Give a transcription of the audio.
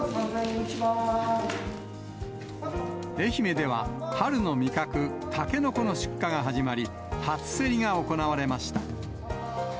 愛媛では、春の味覚、タケノコの出荷が始まり、初競りが行われました。